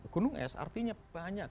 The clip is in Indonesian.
gunung es artinya banyak